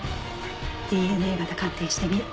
ＤＮＡ型鑑定してみる。